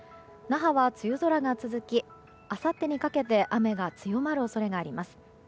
那覇は梅雨空が続きあさってにかけて雨が強まる恐れがあります。